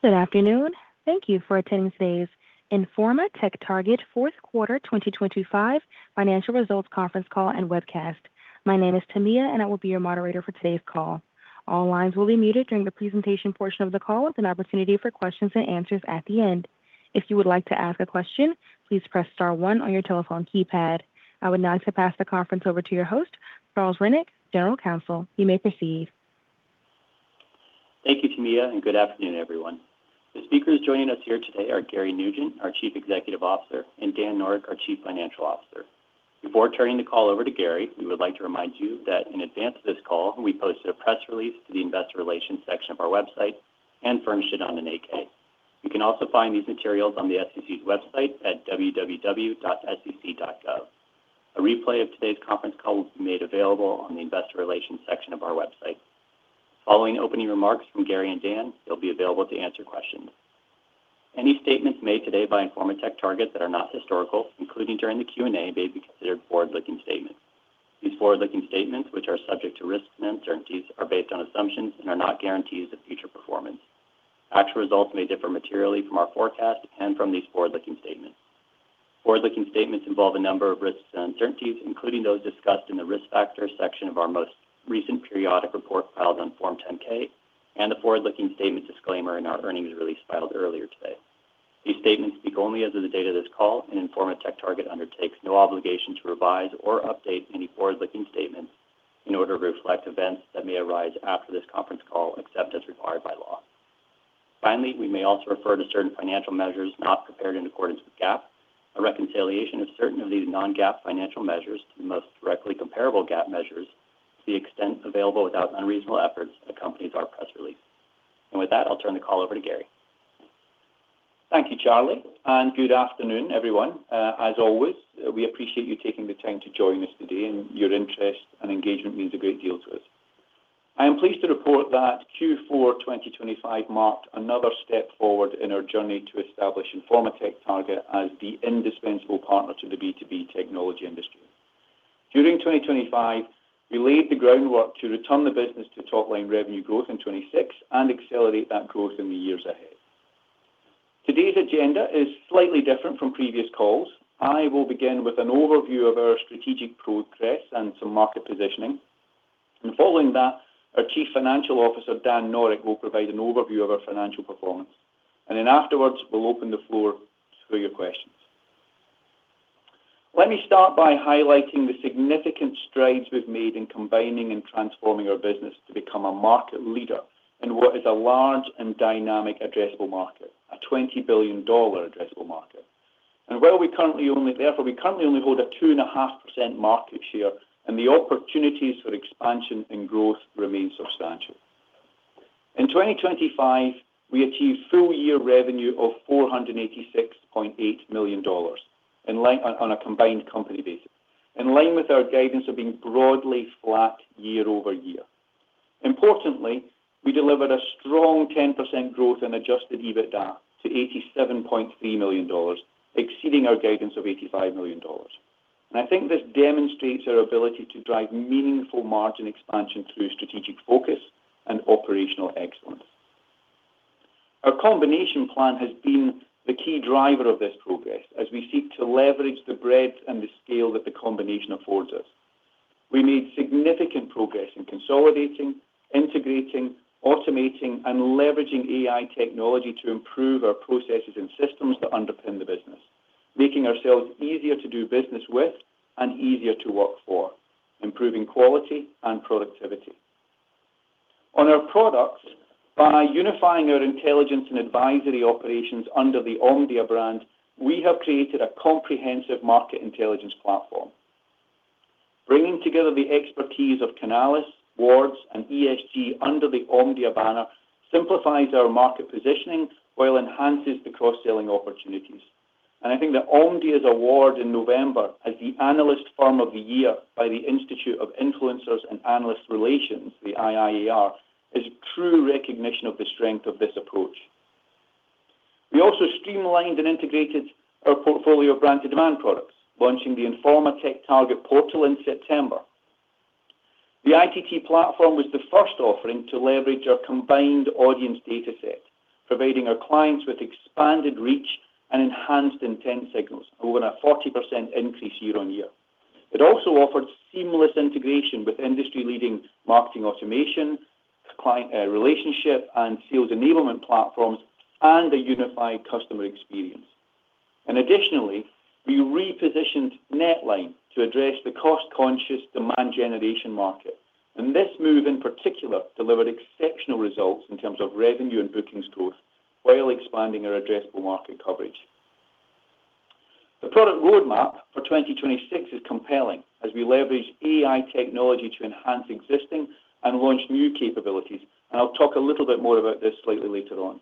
Good afternoon. Thank you for attending today's Informa TechTarget fourth quarter 2025 financial results conference call and webcast. My name is Tamia, and I will be your moderator for today's call. All lines will be muted during the presentation portion of the call with an opportunity for questions and answers at the end. If you would like to ask a question, please press star one on your telephone keypad. I would now pass the conference over to your host, Charles Rennick, General Counsel. You may proceed. Thank you, Tamia, and good afternoon, everyone. The speakers joining us here today are Gary Nugent, Our Chief Executive Officer, and Dan Noreck, Our Chief Financial Officer. Before turning the call over to Gary, we would like to remind you that in advance of this call, we posted a press release to the investor relations section of our website and furnished it on an 8-K. You can also find these materials on the SEC's website at www.sec.gov. A replay of today's conference call will be made available on the investor relations section of our website. Following opening remarks from Gary and Dan, they'll be available to answer questions. Any statements made today by Informa TechTarget that are not historical, including during the Q&A, may be considered forward-looking statements. These forward-looking statements, which are subject to risks and uncertainties, are based on assumptions and are not guarantees of future performance. Actual results may differ materially from our forecast and from these forward-looking statements. Forward-looking statements involve a number of risks and uncertainties, including those discussed in the Risk Factors section of our most recent periodic report filed on Form 10-K and the forward-looking statements disclaimer in our earnings release filed earlier today. These statements speak only as of the date of this call, and Informa TechTarget undertakes no obligation to revise or update any forward-looking statements in order to reflect events that may arise after this conference call, except as required by law. Finally, we may also refer to certain financial measures not prepared in accordance with GAAP. A reconciliation of certain of these non-GAAP financial measures to the most directly comparable GAAP measures to the extent available without unreasonable efforts accompanies our press release. With that, I'll turn the call over to Gary. Thank you, Charlie, and good afternoon, everyone. As always, we appreciate you taking the time to join us today, and your interest and engagement means a great deal to us. I am pleased to report that Q4 2025 marked another step forward in our journey to establish Informa TechTarget as the indispensable partner to the B2B technology industry. During 2025, we laid the groundwork to return the business to top-line revenue growth in 2026 and accelerate that growth in the years ahead. Today's agenda is slightly different from previous calls. I will begin with an overview of our strategic progress and some market positioning. Following that, our Chief Financial Officer, Dan Noreck, will provide an overview of our financial performance. Afterwards, we'll open the floor for your questions. Let me start by highlighting the significant strides we've made in combining and transforming our business to become a market leader in what is a large and dynamic addressable market, a $20 billion addressable market. Therefore, we currently only hold a 2.5% market share, and the opportunities for expansion and growth remain substantial. In 2025, we achieved full-year revenue of $486.8 million on a combined company basis. In line with our guidance of being broadly flat year-over-year. Importantly, we delivered a strong 10% growth in adjusted EBITDA to $87.3 million, exceeding our guidance of $85 million. I think this demonstrates our ability to drive meaningful margin expansion through strategic focus and operational excellence. Our combination plan has been the key driver of this progress as we seek to leverage the breadth and the scale that the combination affords us. We made significant progress in consolidating, integrating, automating, and leveraging AI technology to improve our processes and systems that underpin the business, making ourselves easier to do business with and easier to work for, improving quality and productivity. On our products, by unifying our intelligence and advisory operations under the Omdia brand, we have created a comprehensive market intelligence platform. Bringing together the expertise of Canalys, Wards, and ESG under the Omdia banner simplifies our market positioning while enhances the cross-selling opportunities. I think that Omdia's award in November as the Analyst Firm of the Year by the Institute of Industry Analyst Relations, the IIAR, is true recognition of the strength of this approach. We also streamlined and integrated our portfolio of brand demand products, launching the Informa TechTarget Portal in September. The ITT platform was the first offering to leverage our combined audience data set, providing our clients with expanded reach and enhanced intent signals over a 40% increase year-over-year. It also offered seamless integration with industry-leading marketing automation, client relationship, and sales enablement platforms, and a unified customer experience. Additionally, we repositioned NetLine to address the cost-conscious demand generation market. This move, in particular, delivered exceptional results in terms of revenue and bookings growth while expanding our addressable market coverage. The product roadmap for 2026 is compelling as we leverage AI technology to enhance existing and launch new capabilities, and I'll talk a little bit more about this slightly later on.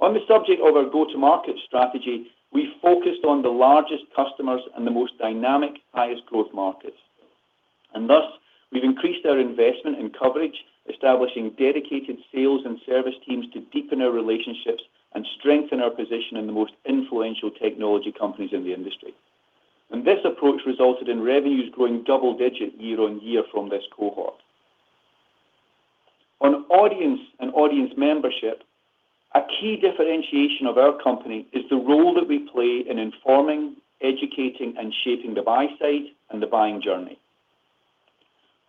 On the subject of our go-to-market strategy, we focused on the largest customers and the most dynamic, highest growth markets. Thus, we've increased our investment in coverage, establishing dedicated sales and service teams to deepen our relationships and strengthen our position in the most influential technology companies in the industry. This approach resulted in revenues growing double-digit year-on-year from this cohort. On audience and audience membership, a key differentiation of our company is the role that we play in informing, educating, and shaping the buy side and the buying journey.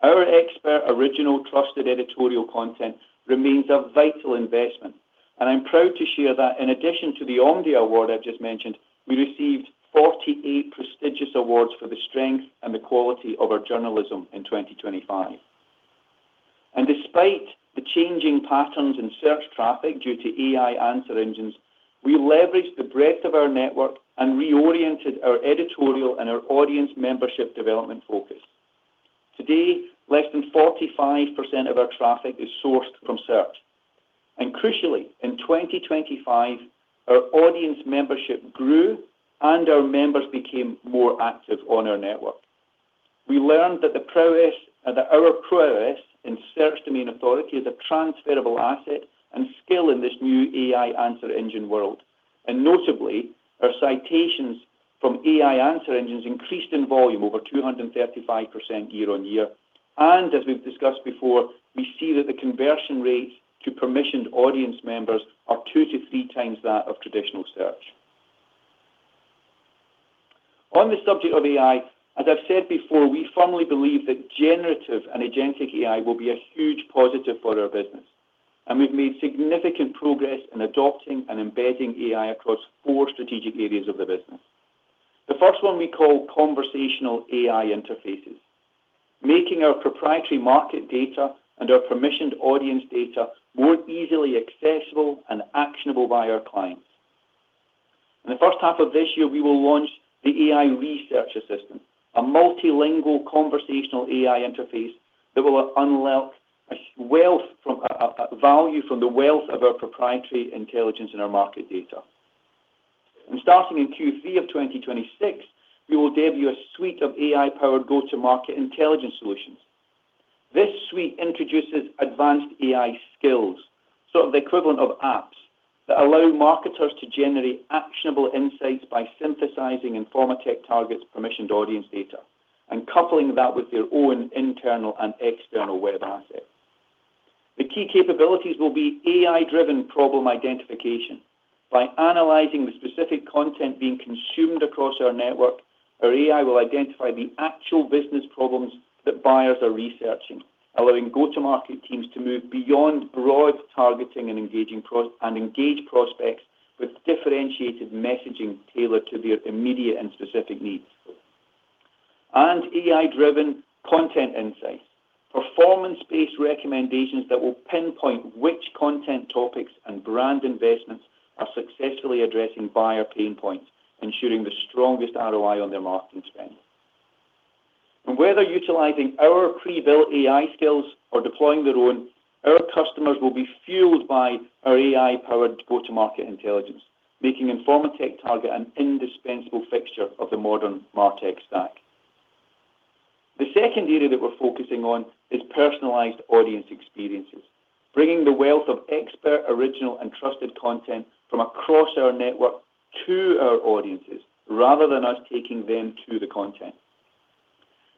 Our expert original trusted editorial content remains a vital investment, and I'm proud to share that in addition to the Omdia award I've just mentioned, we received 48 prestigious awards for the strength and the quality of our journalism in 2025. Despite the changing patterns in search traffic due to AI answer engines, we leveraged the breadth of our network and reoriented our editorial and our audience membership development focus. Today, less than 45% of our traffic is sourced from search. Crucially, in 2025, our audience membership grew and our members became more active on our network. We learned that our prowess in search domain authority is a transferable asset and skill in this new AI answer engine world. Notably, our citations from AI answer engines increased in volume over 235% year-over-year. As we've discussed before, we see that the conversion rates to permissioned audience members are 2x-3x that of traditional search. On the subject of AI, as I've said before, we firmly believe that generative and agentic AI will be a huge positive for our business, and we've made significant progress in adopting and embedding AI across four strategic areas of the business. The first one we call conversational AI interfaces, making our proprietary market data and our permissioned audience data more easily accessible and actionable by our clients. In the first half of this year, we will launch the AI research assistant, a multilingual conversational AI interface that will unleash value from the wealth of our proprietary intelligence in our market data. Starting in Q3 of 2026, we will debut a suite of AI-powered go-to-market intelligence solutions. This suite introduces advanced AI skills, sort of the equivalent of apps, that allow marketers to generate actionable insights by synthesizing Informa TechTarget's permissioned audience data and coupling that with their own internal and external web assets. The key capabilities will be AI-driven problem identification. By analyzing the specific content being consumed across our network, our AI will identify the actual business problems that buyers are researching, allowing go-to-market teams to move beyond broad targeting and engage prospects with differentiated messaging tailored to their immediate and specific needs. AI-driven content insights. Performance-based recommendations that will pinpoint which content topics and brand investments are successfully addressing buyer pain points, ensuring the strongest ROI on their marketing spend. Whether utilizing our pre-built AI skills or deploying their own, our customers will be fueled by our AI-powered go-to-market intelligence, making Informa TechTarget an indispensable fixture of the modern MarTech stack. The second area that we're focusing on is personalized audience experiences, bringing the wealth of expert, original, and trusted content from across our network to our audiences, rather than us taking them to the content.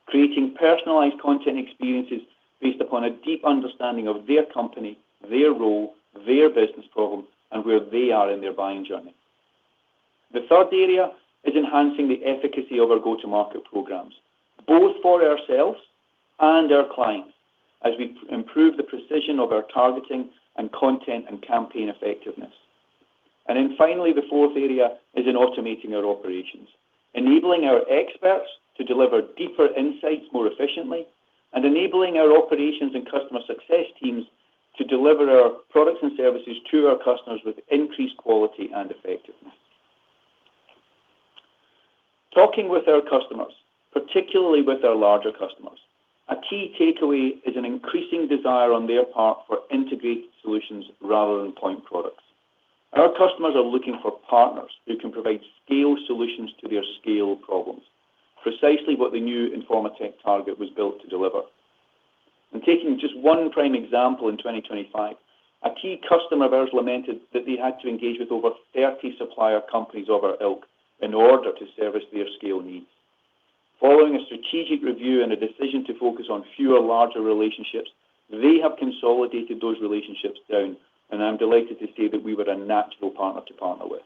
Creating personalized content experiences based upon a deep understanding of their company, their role, their business problem, and where they are in their buying journey. The third area is enhancing the efficacy of our go-to-market programs, both for ourselves and our clients, as we improve the precision of our targeting and content and campaign effectiveness. Finally, the fourth area is in automating our operations. Enabling our experts to deliver deeper insights more efficiently and enabling our operations and customer success teams to deliver our products and services to our customers with increased quality and effectiveness. Talking with our customers, particularly with our larger customers, a key takeaway is an increasing desire on their part for integrated solutions rather than point products. Our customers are looking for partners who can provide scaled solutions to their scale problems. Precisely what the new Informa TechTarget was built to deliver. Taking just one prime example in 2025, a key customer of ours lamented that they had to engage with over 30 supplier companies of our ilk in order to service their scale needs. Following a strategic review and a decision to focus on fewer larger relationships, they have consolidated those relationships down, and I'm delighted to say that we were a natural partner to partner with.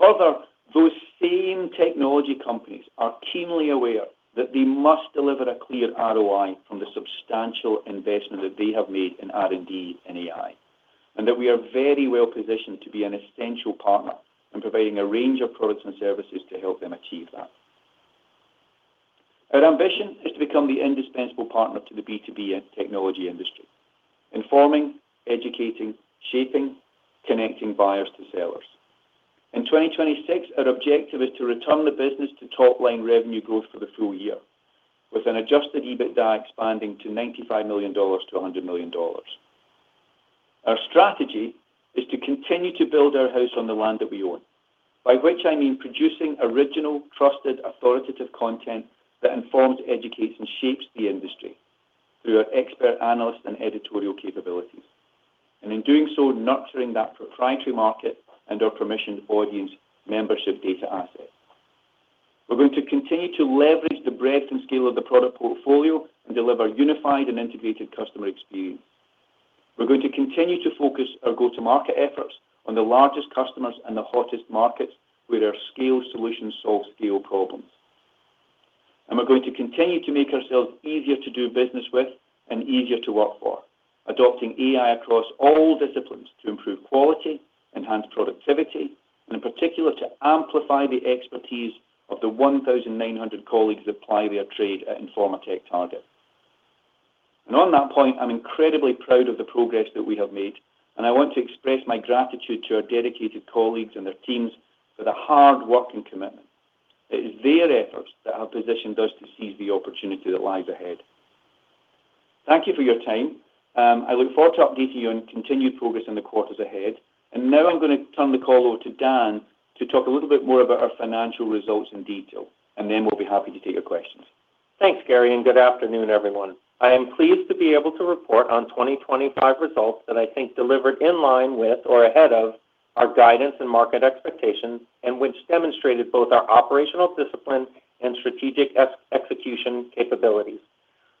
Further, those same technology companies are keenly aware that they must deliver a clear ROI from the substantial investment that they have made in R&D and AI, and that we are very well positioned to be an essential partner in providing a range of products and services to help them achieve that. Our ambition is to become the indispensable partner to the B2B technology industry, informing, educating, shaping, connecting buyers to sellers. In 2026, our objective is to return the business to top-line revenue growth for the full year, with an adjusted EBITDA expanding to $95 million-$100 million. Our strategy is to continue to build our house on the land that we own, by which I mean producing original, trusted, authoritative content that informs, educates, and shapes the industry through our expert analyst and editorial capabilities. In doing so, nurturing that proprietary market and our permissioned audience membership data asset. We're going to continue to leverage the breadth and scale of the product portfolio and deliver unified and integrated customer experience. We're going to continue to focus our go-to-market efforts on the largest customers and the hottest markets where our scale solutions solve scale problems. We're going to continue to make ourselves easier to do business with and easier to work for, adopting AI across all disciplines to improve quality, enhance productivity, and in particular, to amplify the expertise of the 1,900 colleagues that ply their trade at Informa TechTarget. On that point, I'm incredibly proud of the progress that we have made, and I want to express my gratitude to our dedicated colleagues and their teams for their hard work and commitment. It is their efforts that have positioned us to seize the opportunity that lies ahead. Thank you for your time. I look forward to updating you on continued progress in the quarters ahead. Now I'm gonna turn the call over to Dan to talk a little bit more about our financial results in detail, and then we'll be happy to take your questions. Thanks, Gary, and good afternoon, everyone. I am pleased to be able to report on 2025 results that I think delivered in line with or ahead of our guidance and market expectations, and which demonstrated both our operational discipline and strategic execution capabilities.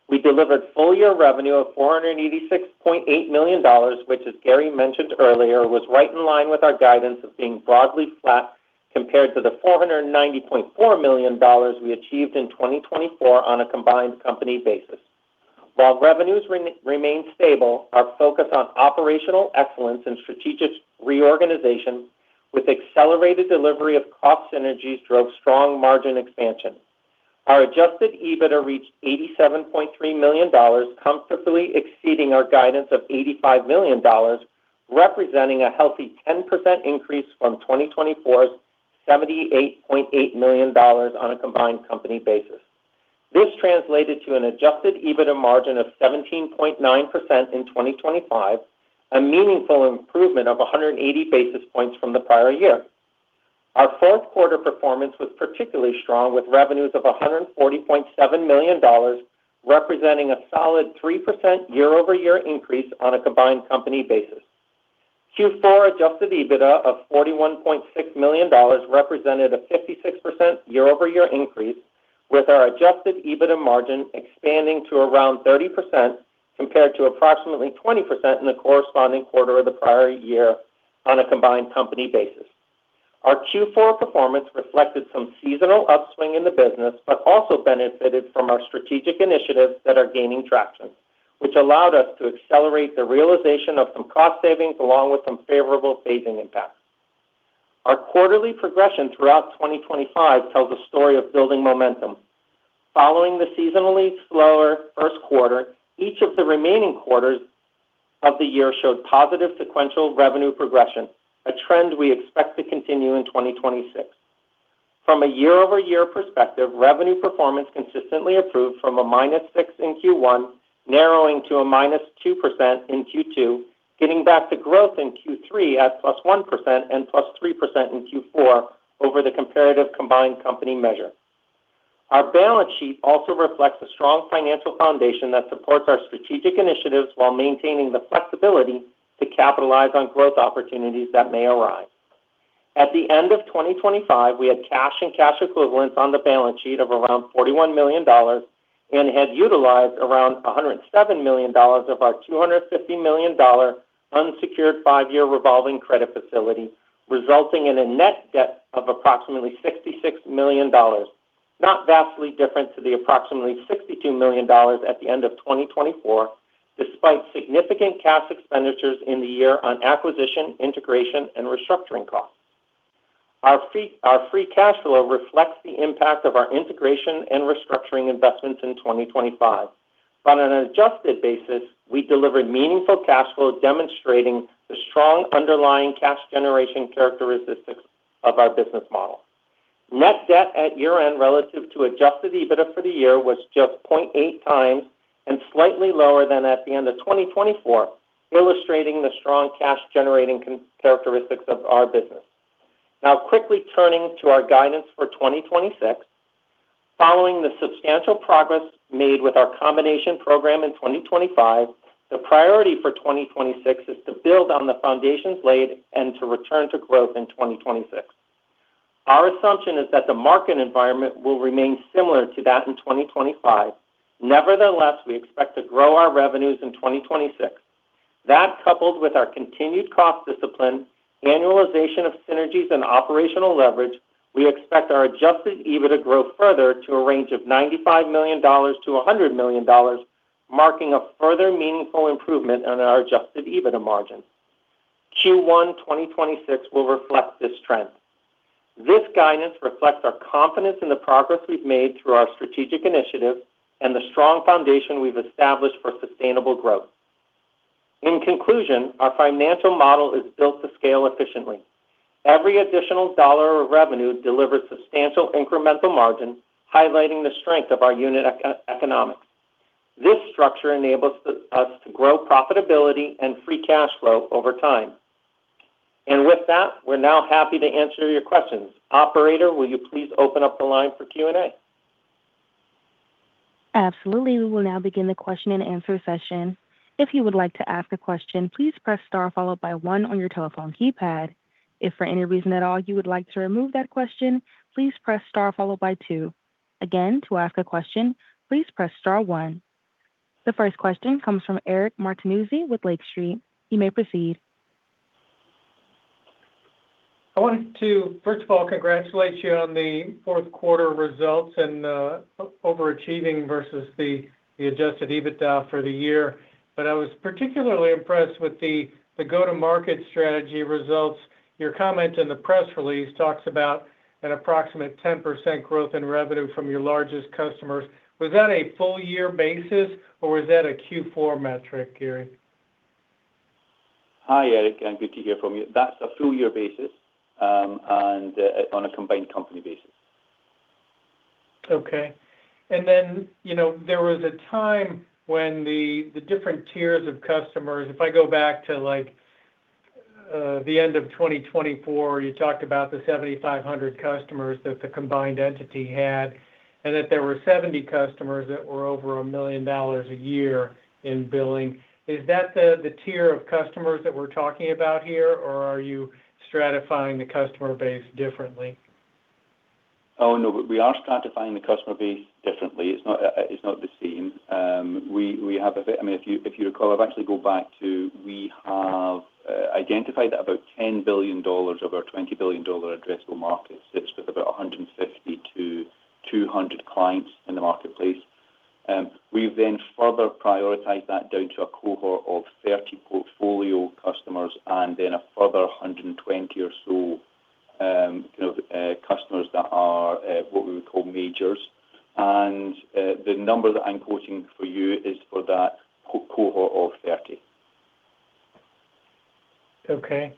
We delivered full-year revenue of $486.8 million, which, as Gary mentioned earlier, was right in line with our guidance of being broadly flat compared to the $490.4 million we achieved in 2024 on a combined company basis. While revenues remain stable, our focus on operational excellence and strategic reorganization with accelerated delivery of cost synergies drove strong margin expansion. Our adjusted EBITDA reached $87.3 million, comfortably exceeding our guidance of $85 million, representing a healthy 10% increase from 2024's $78.8 million on a combined company basis. This translated to an adjusted EBITDA margin of 17.9% in 2025, a meaningful improvement of 180 basis points from the prior year. Our fourth quarter performance was particularly strong, with revenues of $140.7 million, representing a solid 3% year-over-year increase on a combined company basis. Q4 adjusted EBITDA of $41.6 million represented a 56% year-over-year increase, with our adjusted EBITDA margin expanding to around 30% compared to approximately 20% in the corresponding quarter of the prior year on a combined company basis. Our Q4 performance reflected some seasonal upswing in the business, but also benefited from our strategic initiatives that are gaining traction, which allowed us to accelerate the realization of some cost savings along with some favorable phasing impacts. Our quarterly progression throughout 2025 tells a story of building momentum. Following the seasonally slower first quarter, each of the remaining quarters of the year showed positive sequential revenue progression, a trend we expect to continue in 2026. From a year-over-year perspective, revenue performance consistently improved from -6% in Q1, narrowing to -2% in Q2, getting back to growth in Q3 at +1% and +3% in Q4 over the comparative combined company measure. Our balance sheet also reflects a strong financial foundation that supports our strategic initiatives while maintaining the flexibility to capitalize on growth opportunities that may arise. At the end of 2025, we had cash and cash equivalents on the balance sheet of around $41 million and had utilized around $107 million of our $250 million unsecured five-year revolving credit facility, resulting in a net debt of approximately $66 million, not vastly different to the approximately $62 million at the end of 2024, despite significant cash expenditures in the year on acquisition, integration, and restructuring costs. Our free cash flow reflects the impact of our integration and restructuring investments in 2025. On an adjusted basis, we delivered meaningful cash flow, demonstrating the strong underlying cash generation characteristics of our business model. Net debt at year-end relative to adjusted EBITDA for the year was just 0.8x and slightly lower than at the end of 2024, illustrating the strong cash-generating characteristics of our business. Now, quickly turning to our guidance for 2026. Following the substantial progress made with our combination program in 2025, the priority for 2026 is to build on the foundations laid and to return to growth in 2026. Our assumption is that the market environment will remain similar to that in 2025. Nevertheless, we expect to grow our revenues in 2026. That, coupled with our continued cost discipline, annualization of synergies, and operational leverage, we expect our adjusted EBITDA to grow further to a range of $95 million-$100 million, marking a further meaningful improvement on our adjusted EBITDA margin. Q1 2026 will reflect this trend. This guidance reflects our confidence in the progress we've made through our strategic initiatives and the strong foundation we've established for sustainable growth. In conclusion, our financial model is built to scale efficiently. Every additional dollar of revenue delivers substantial incremental margin, highlighting the strength of our unit economics. This structure enables us to grow profitability and free cash flow over time. With that, we're now happy to answer your questions. Operator, will you please open up the line for Q&A? Absolutely. We will now begin the question and answer session. If you would like to ask a question, please press star followed by one on your telephone keypad. If for any reason at all you would like to remove that question, please press star followed by two. Again, to ask a question, please press star one. The first question comes from Eric Martinuzzi with Lake Street. You may proceed. I wanted to first of all congratulate you on the fourth quarter results and overachieving versus the adjusted EBITDA for the year. I was particularly impressed with the go-to-market strategy results. Your comment in the press release talks about an approximate 10% growth in revenue from your largest customers. Was that a full year basis, or was that a Q4 metric, Gary? Hi, Eric, and good to hear from you. That's a full year basis, and on a combined company basis. Okay. You know, there was a time when the different tiers of customers. If I go back to, like, the end of 2024, you talked about the 7,500 customers that the combined entity had, and that there were 70 customers that were over $1 million a year in billing. Is that the tier of customers that we're talking about here, or are you stratifying the customer base differently? No. We are stratifying the customer base differently. It's not, it's not the same. I mean, if you recall, if I actually go back, we have identified about $10 billion of our $20 billion addressable market sits with about 150-200 clients in the marketplace. We've then further prioritized that down to a cohort of 30 portfolio customers and then a further 120 or so kind of customers that are what we would call majors. The number that I'm quoting for you is for that cohort of 30. Okay.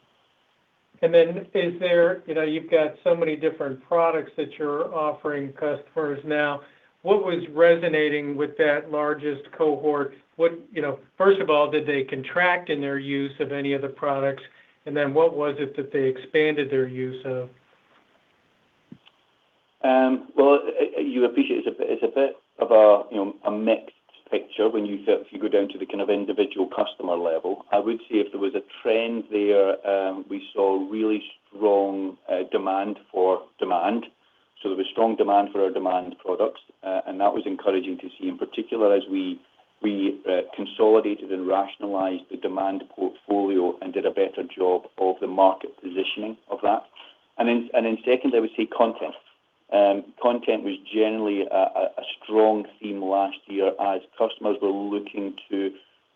You know, you've got so many different products that you're offering customers now. What was resonating with that largest cohort? You know, first of all, did they contract in their use of any of the products? What was it that they expanded their use of? Well, you appreciate it's a bit of a, you know, a mixed picture if you go down to the kind of individual customer level. I would say if there was a trend there, we saw really strong demand for demand. So there was strong demand for our demand products. And that was encouraging to see, in particular as we consolidated and rationalized the demand portfolio and did a better job of the market positioning of that. Then secondly, I would say content. Content was generally a strong theme last year as customers were looking to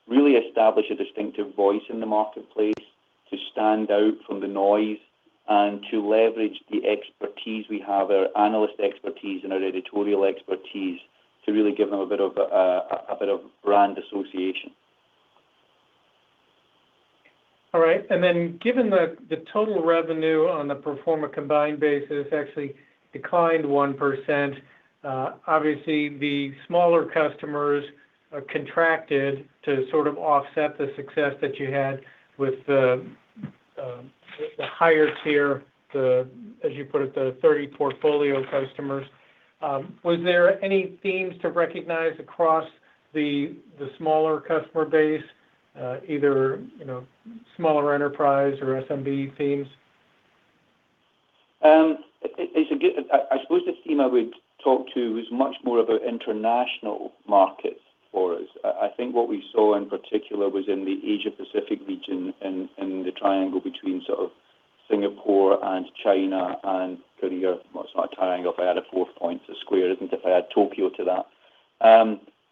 really establish a distinctive voice in the marketplace, to stand out from the noise, and to leverage the expertise we have, our analyst expertise and our editorial expertise, to really give them a bit of brand association. All right. Given the total revenue on the pro forma combined basis actually declined 1%, obviously the smaller customers contracted to sort of offset the success that you had with the higher tier, as you put it, the 30 portfolio customers. Was there any themes to recognize across the smaller customer base, either, you know, smaller enterprise or SMB themes? I suppose the theme I would talk to is much more of an international market for us. I think what we saw in particular was in the Asia Pacific region in the triangle between sort of Singapore and China and Korea. Well, it's not a triangle if I add a fourth point. It's a square, isn't it, if I add Tokyo to that.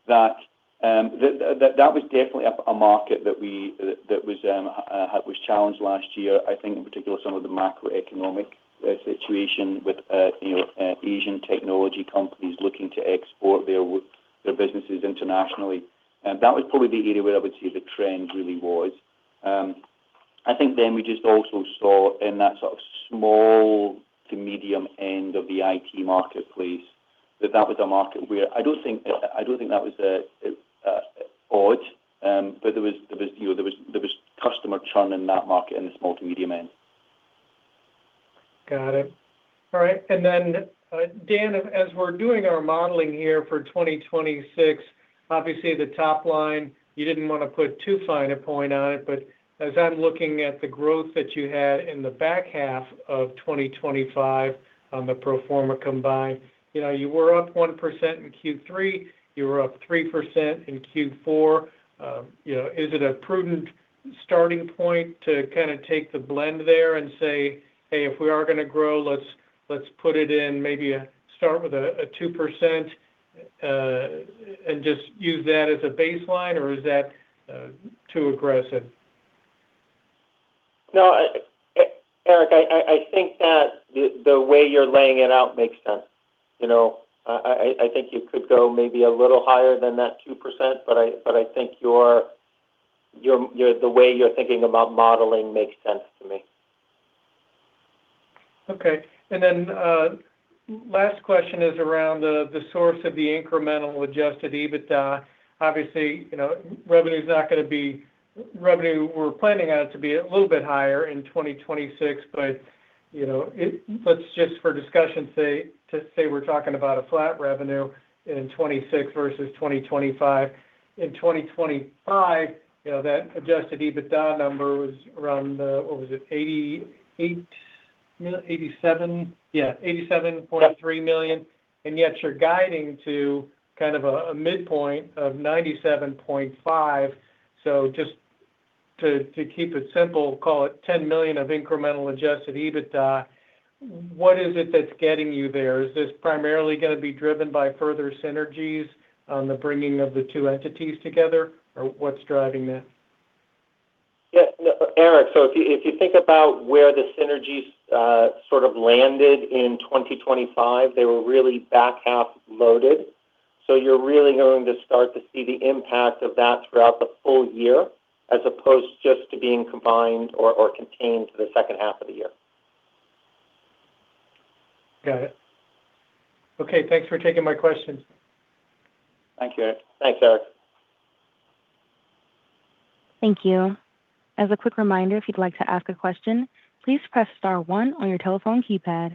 That was definitely a market that was challenged last year. I think in particular, some of the macroeconomic situation with, you know, Asian technology companies looking to export their businesses internationally. That was probably the area where I would say the trend really was. I think we just also saw in that sort of small to medium end of the IT marketplace that was a market where I don't think that was odd, but there was, you know, customer churn in that market in the small to medium end. Got it. All right. Dan, as we're doing our modeling here for 2026, obviously the top line, you didn't want to put too fine a point on it, but as I'm looking at the growth that you had in the back half of 2025 on the pro forma combined, you know, you were up 1% in Q3, you were up 3% in Q4. You know, is it a prudent starting point to kind of take the blend there and say, "Hey, if we are gonna grow, let's put it in maybe start with a 2%, and just use that as a baseline," or is that too aggressive? No, Eric, I think that the way you're laying it out makes sense. You know, I think you could go maybe a little higher than that 2%, but I think the way you're thinking about modeling makes sense to me. Okay. Last question is around the source of the incremental adjusted EBITDA. Obviously, you know, revenue is not gonna be. Revenue, we're planning on it to be a little bit higher in 2026. You know, let's just for discussion say we're talking about a flat revenue in 2026 versus 2025. In 2025, you know, that adjusted EBITDA number was around what was it? 87, yeah, $87.3 million. Yet you're guiding to kind of a midpoint of $97.5 million. So just to keep it simple, call it $10 million of incremental adjusted EBITDA. What is it that's getting you there? Is this primarily gonna be driven by further synergies on the bringing of the two entities together, or what's driving that? Yeah. No, Eric, so if you think about where the synergies sort of landed in 2025, they were really back half loaded. You're really going to start to see the impact of that throughout the full year, as opposed just to being combined or contained to the second half of the year. Got it. Okay. Thanks for taking my question. Thank you, Eric. Thanks, Eric. Thank you. As a quick reminder, if you'd like to ask a question, please press star one on your telephone keypad.